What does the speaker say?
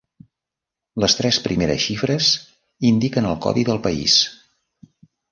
Les tres primeres xifres indiquen el codi del país.